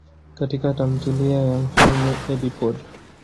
Katika tamthilia ya Mfalme Edipode.